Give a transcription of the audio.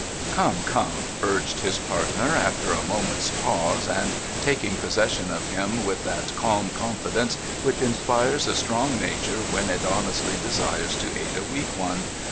' Come, come,' urged his partner, after a moment's pause, and taking possession of him with that calm confidence which insi)ires a strong nature when it honestly desires to aid a weak one.